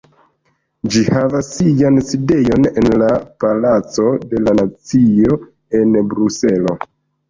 Ĝi havas sian sidejon en la Palaco de la Nacio en Bruselo.